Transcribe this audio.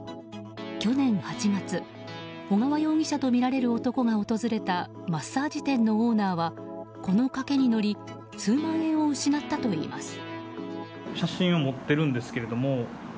去年８月、小川容疑者とみられる男が訪れたマッサージ店のオーナーはこの賭けに乗り数万円を失ったといいます。